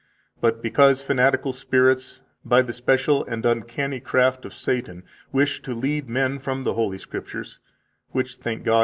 But because fanatical spirits, by the special and uncanny craft of Satan, wish to lead men from the Holy Scriptures – which, thank God!